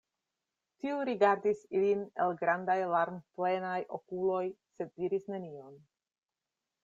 Tiu rigardis ilin el grandaj larmplenaj okuloj, sed diris nenion.